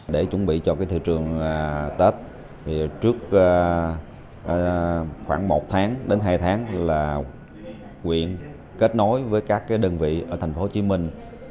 để chuẩn bị cho thị trường tết trước khoảng một hai tháng là quyền kết nối với các đơn vị ở thành phố hồ chí minh